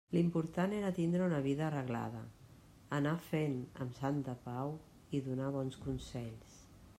L'important era tindre una vida arreglada, anar fent amb santa pau i donar bons consells.